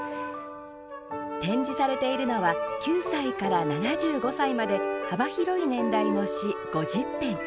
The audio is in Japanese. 展示されているのは９歳から７５歳まで幅広い年代の詩５０編。